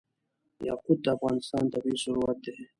یاقوت د افغانستان طبعي ثروت دی.